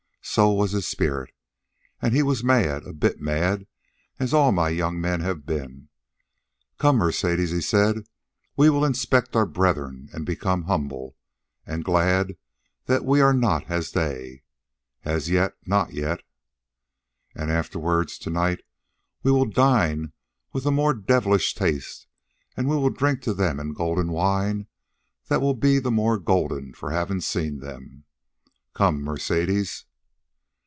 So was his spirit. And he was mad, a bit mad, as all my young men have been. 'Come, Mercedes,' he said; 'we will inspect our brethren and become humble, and glad that we are not as they as yet not yet. And afterward, to night, we will dine with a more devilish taste, and we will drink to them in golden wine that will be the more golden for having seen them. Come, Mercedes.'